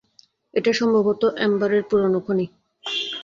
এটা সম্ভবত এম্বারের পুরানো খনি।